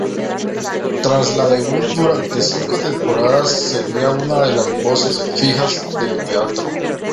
Tras este debut, durante cinco temporadas sería una de las voces fijas del teatro.